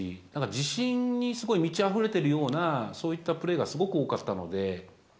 自信にすごい満ちあふれてるような、そういったプレーがすごく多かったので。